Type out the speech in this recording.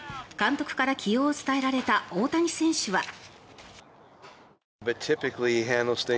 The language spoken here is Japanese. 監督から起用を伝えられた大谷選手は。